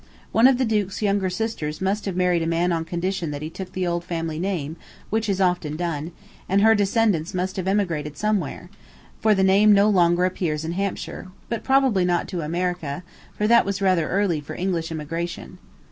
One of the duke's younger sisters must have married a man on condition that he took the old family name, which is often done, and her descendants must have emigrated somewhere, for the name no longer appears in Hampshire; but probably not to America, for that was rather early for English emigration."